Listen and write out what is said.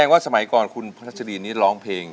น้องตาชอบให้แม่ร้องเพลงให้ฟังหรือคะอเรนนี่ต้องร้องเพลง๑๙